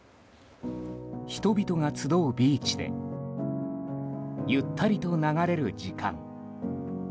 人々が集うビーチでゆったりと流れる時間。